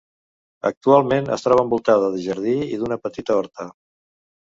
Actualment es troba envoltada de jardí i d'una petita horta.